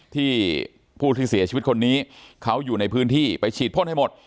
ที่ผู้ที่เสียชีวิตคนนี้เขาอยู่ในพื้นที่ไปฉีดพ่นให้หมด